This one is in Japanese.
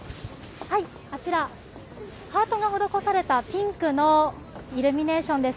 あちら、ハートが施されたピンクのイルミネーションです。